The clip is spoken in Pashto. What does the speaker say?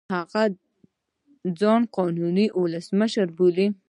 هغه ځان قانوني اولسمشر بولي.